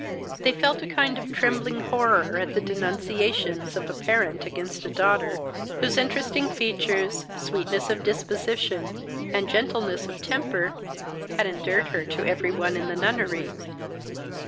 They felt a kind of trembling horror at the denunciations of a parent against a daughter, whose interesting features, sweetness of disposition, and gentleness of temper, had endeared her to every one in the nunnery.